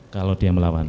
kalau dia melawan